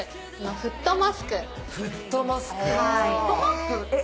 フットマスク！